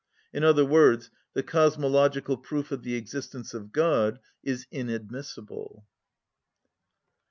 In other words, the cosmological proof of the existence of God is inadmissible.